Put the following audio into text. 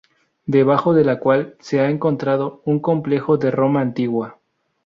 Debajo de la cual se ha encontrado un complejo de Roma antigua.